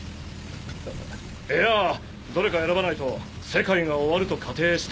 えっいやどれか選ばないと世界が終わると仮定して！